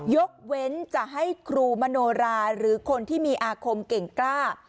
ยกเว้นจะให้ครูมโนราหรือคนที่มีอาคมเก่งกล้า